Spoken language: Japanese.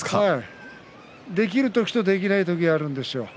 できる時とできない時があるんですよ。